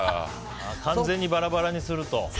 完全にバラバラにすると？